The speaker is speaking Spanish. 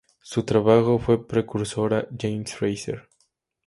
Su trabajo fue precursor a James Frazer.